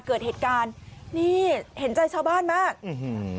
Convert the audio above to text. เกิดเหตุการณ์นี่เห็นใจชาวบ้านมากอื้อหือ